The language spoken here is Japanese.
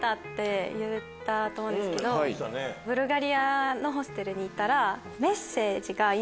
ブルガリアのホステルに行ったら。